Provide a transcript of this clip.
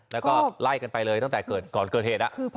แล้วก็ไล่กันไปเลยตั้งแต่ก่อนเกิดเหตุ